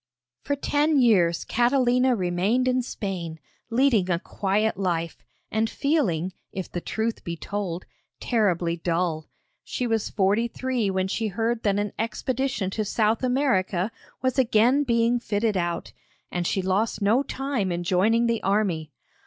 For ten years Catalina remained in Spain, leading a quiet life, and feeling, if the truth be told, terribly dull. She was forty three when she heard that an expedition to South America was again being fitted out, and she lost no time in joining the army.